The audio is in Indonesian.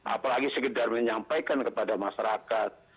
apalagi sekedar menyampaikan kepada masyarakat